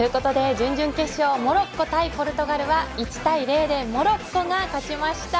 準々決勝モロッコ対ポルトガルは１対０でモロッコが勝ちました。